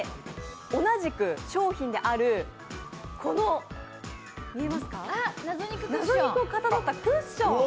同じく商品である、この謎肉をかたどったクッション。